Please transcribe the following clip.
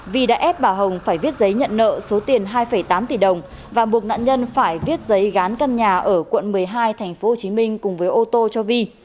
vi đã ép bà hồng phải viết giấy nhận nợ số tiền hai tám tỷ đồng và buộc nạn nhân phải viết giấy gán căn nhà ở quận một mươi hai tp hcm cùng với ô tô cho vi